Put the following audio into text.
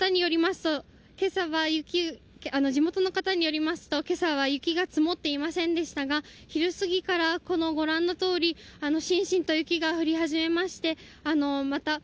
地元の方によりますと、今朝は雪が積もっていませんでしたが昼過ぎから、ご覧のとおりしんしんと雪が降り始めましてまた